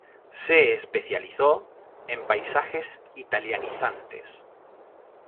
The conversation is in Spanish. Se especializó en paisajes italianizantes.